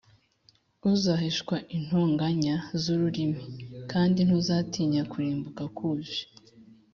uzahishwa intonganya z’ururimi, kandi ntuzatinya kurimbuka kuje